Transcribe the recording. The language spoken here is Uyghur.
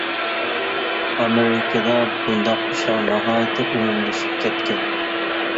ئامېرىكىدا بۇنداق ئىشلار ناھايىتى ئومۇملىشىپ كەتكەن.